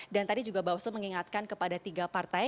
dan tadi juga bawah seluruh mengingatkan kepada tiga partai